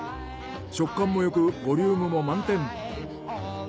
食感もよくボリュームも満点。